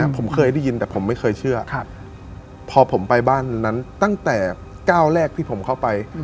ผมเคยได้ยินแต่ผมไม่เคยเชื่อพอผมไปบ้านนั้นตั้งแต่ก้าวแรกที่ผมเข้าไป